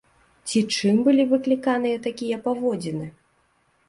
Ці чым былі выкліканыя такія паводзіны?